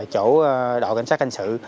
chỗ đạo cảnh sát hành sự